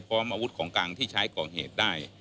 พร้อมอาวุธของกลางที่ใช้ก่อเหตุได้